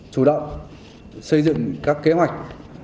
chủ động xây dựng các kế hoạch